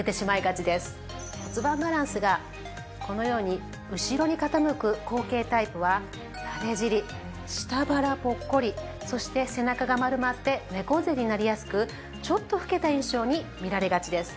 骨盤バランスがこのように後ろに傾く後傾タイプは垂れ尻下腹ポッコリそして背中が丸まって猫背になりやすくちょっと老けた印象に見られがちです。